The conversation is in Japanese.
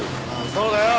そうだよ。